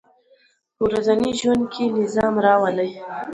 په ورځني ژوند کې نظم راولئ.